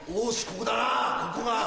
ここが。